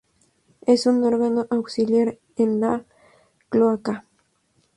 Es un órgano auxiliar en la cloaca.